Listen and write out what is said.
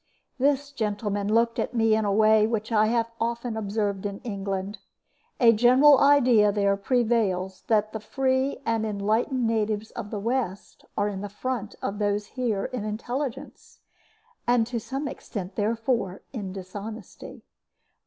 This gentleman looked at me in a way which I have often observed in England. A general idea there prevails that the free and enlightened natives of the West are in front of those here in intelligence, and to some extent, therefore, in dishonesty.